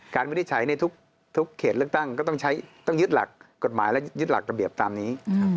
การวิธีใช้ในทุกเขตเลือกตั้งก็ต้องใช้ต้องยึดหลักกฎหมายและยึดหลักระเบียบตามนี้